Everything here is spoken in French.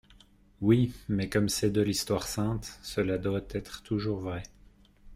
Oui, mais comme c'est de l'histoire sainte, cela doit être toujours vrai.